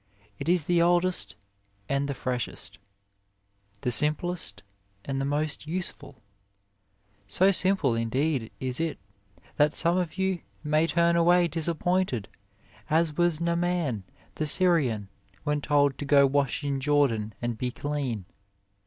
It is the oldest and the freshest, the simplest and the most useful, so simple in deed is it that some of you may turn away disappointed as was Naaman the Syrian when told to go wash in Jordan and be clean.